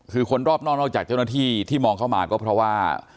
คือคนรอบนอกนอกจากเจ้าหน้าที่ที่มองเข้ามาก็เพราะว่า